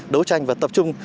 đấu tranh và tập trung